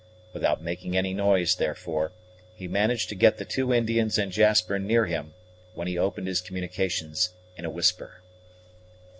Without making any noise, therefore, he managed to get the two Indians and Jasper near him, when he opened his communications in a whisper.